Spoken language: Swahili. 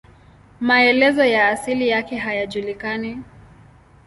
Maelezo ya asili yake hayajulikani.